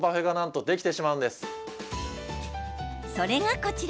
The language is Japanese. それが、こちら。